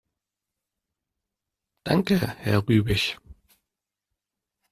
Danke, Herr Rübig.